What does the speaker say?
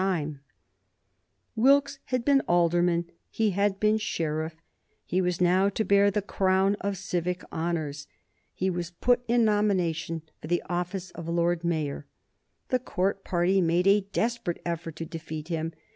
[Sidenote: 1774 Wilkes Lord Mayor of London] Wilkes had been alderman; he had been sheriff; he was now to bear the crown of civic honors. He was put in nomination for the office of Lord Mayor. The Court party made a desperate effort to defeat him.